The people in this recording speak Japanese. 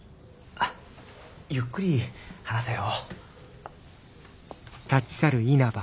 ゆっくり話せよ。